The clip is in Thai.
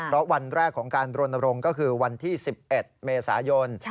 เพราะวันแรกของการรณรงค์ก็คือวันที่๑๑เมษายน